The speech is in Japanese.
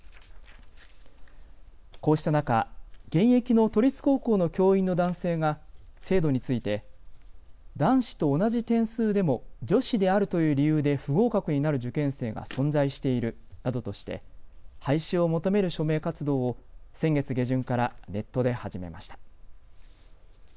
こうした中、現役の都立高校の教員の男性が制度について男子と同じ点数でも女子であるという理由で不合格になる受験生が存在しているなどとして廃止を求める署名活動を先月下旬からネットで始めました。